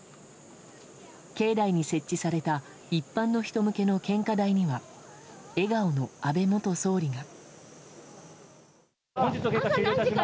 境内に設置された一般の人向けの献花台には笑顔の安倍元総理が。